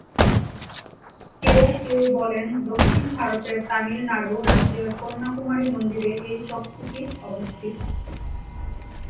কেউ কেউ বলেন দক্ষিণ ভারতের তামিলনাড়ু রাজ্যের কন্যাকুমারী মন্দিরে এই শক্তিপীঠ অবস্থিত।